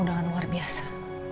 dengan luar biasa